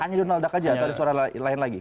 hanya donald duck aja atau ada suara lain lagi